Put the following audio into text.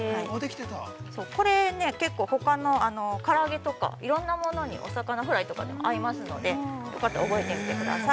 これ、結構ほかのから揚げとかいろんなものに、お魚フライとかにも合いますのでよかったら覚えてみてください。